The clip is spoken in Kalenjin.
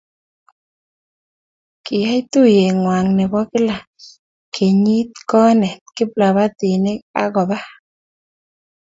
kiyay tuyee wang ne bo kila kenyii konet kiiplobotinik ak ko bo